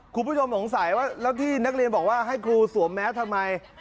คุณผู้ชมสงสัยว่าแล้วที่นักเรียนบอกว่าให้ครูสวมแมสทำไม